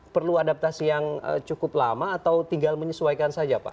perlu adaptasi yang cukup lama atau tinggal menyesuaikan saja pak